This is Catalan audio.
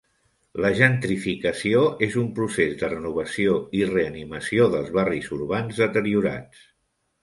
La gentrificació és un procés de renovació i reanimació dels barris urbans deteriorats.